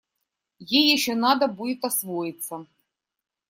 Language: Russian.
Ей еще надо будет освоиться.